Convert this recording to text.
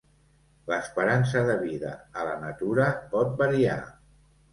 L'esperança de vida a la natura pot variar.